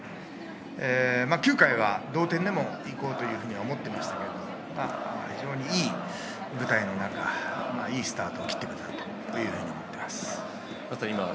９回は同点でも行こうと思っていましたけれど、非常にいい舞台の中、いいスタートを切ってくれたと思っています。